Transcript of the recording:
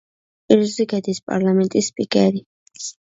ყირგიზეთის პარლამენტის სპიკერი.